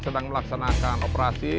sedang melaksanakan operasi